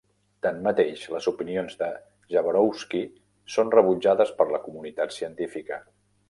Tanmateix, les opinions de Jaworowski són rebutjades per la comunitat científica.